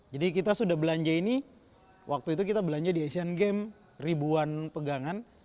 jadi kita sudah belanja ini waktu itu kita belanja di asian game ribuan pegangan